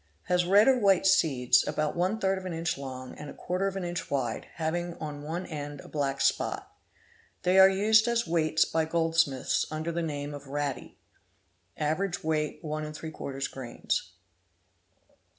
has "red or white seeds, about one third of an inch long and a quarter of an inch wide, having on one end a black spot. They are usec as weights by goldsmiths under the name of rati (average weight, grains)' (Collis Barry, Vol. I., p. 521) 9™.